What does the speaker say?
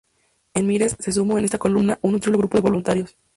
En Mieres se sumó a esta columna un nutrido grupo de voluntarios.